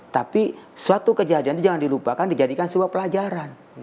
tapi suatu kejadian itu jangan dilupakan dijadikan sebuah pelajaran